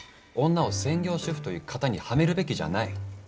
女を「専業主婦」という型にはめるべきじゃない。